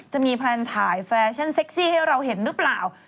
จะมีแพลนถ่ายแฟชั่นเซ็กซี่ให้เราเห็นหรือเปล่า